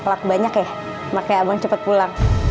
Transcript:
luck banyak ya makanya abang cepet pulang